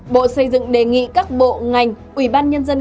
bộ xây dựng đề nghị các bộ ngành ủy ban nhân dân